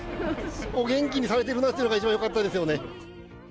お元気にされてるなというのが一番よかったですよね。